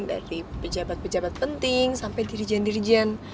dari pejabat pejabat penting sampai dirijen dirjen